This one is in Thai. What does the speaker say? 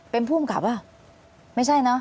เป็นผู้กำกับป่ะไม่ใช่เนอะ